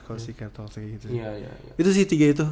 kalau si kertel kayak gitu itu sih tiga itu